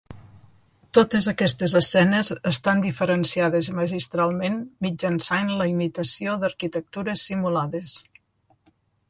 Totes aquestes escenes estan diferenciades magistralment mitjançant la imitació d'arquitectures simulades.